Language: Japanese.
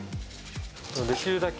できるだけ